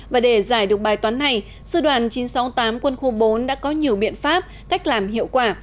và để giải được bài toán này sư đoàn chín trăm sáu mươi tám quân khu bốn đã có nhiều biện pháp cách làm hiệu quả